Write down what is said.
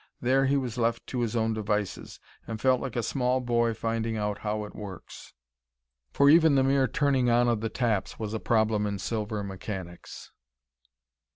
There he was left to his own devices, and felt like a small boy finding out how it works. For even the mere turning on of the taps was a problem in silver mechanics.